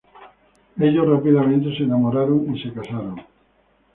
Ellos rápidamente se enamoraron y se casaron.